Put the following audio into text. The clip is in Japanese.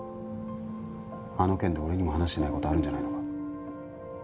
あの件で俺にも話してないことあるんじゃないのか？